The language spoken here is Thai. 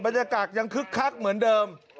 บรรยากาศยังคึกคักเหมือนเดิม